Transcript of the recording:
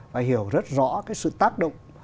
và hiểu rất rõ cái sự tác động